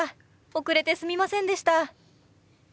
遅れてすみませんでした。